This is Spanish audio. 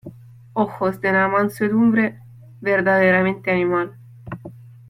ojos de una mansedumbre verdaderamente animal.